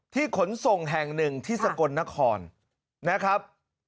ขนส่งแห่งหนึ่งที่สกลนครนะครับ